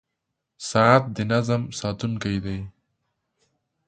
• ساعت د نظم ساتونکی دی.